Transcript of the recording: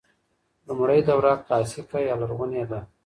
لومړۍ دوره کلاسیکه یا لرغونې ده.